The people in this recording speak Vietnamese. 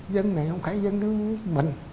dân này không phải dân nước mình